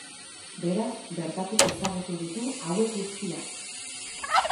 Beraz, bertatik ezagutu ditu hauek guztiak.